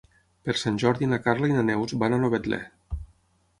Per Sant Jordi na Carla i na Neus van a Novetlè.